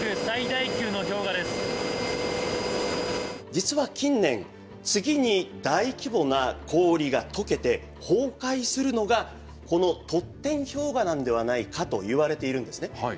実は近年次に大規模な氷がとけて崩壊するのがこのトッテン氷河なんではないかといわれているんですね。